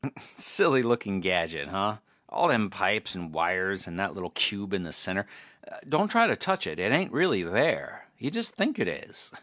Silly looking gadget, huh? All them pipes and wires and that little cube in the center ... don't try to touch it, it ain't really there. You just think it is.